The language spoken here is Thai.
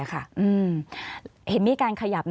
ขอบคุณครับ